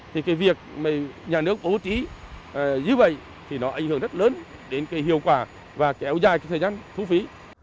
thì việc nhà nước ố trí như vậy thì nó ảnh hưởng rất lớn đến hiệu quả và kéo dài thời gian thú phí